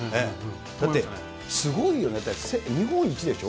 だってすごいよね、日本一でしょ？